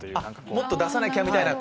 もっと出さなきゃみたいな。